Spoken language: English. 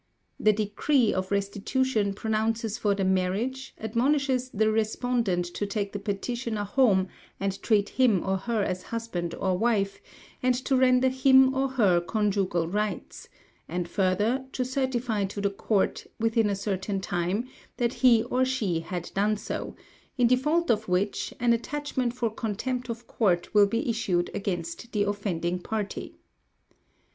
"The decree of restitution pronounces for the marriage, admonishes the respondent to take the petitioner home and treat him or her as husband or wife, and to render him or her conjugal rights; and, further, to certify to the court, within a certain time, that he or she had done so; in default of which, an attachment for contempt of court will be issued against the offending party" (Broom's "Comm.," vol. iii., p. 400).